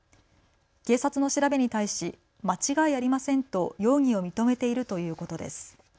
警察の調べに対し間違いありませんと容疑を認めているということです。